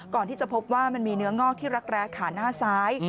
ก่อนที่จะพบว่ามันมีเนื้องอกที่รักแร้ขาหน้าซ้าย